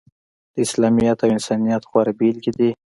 د اسلامیت او انسانیت غوره بیلګې دي.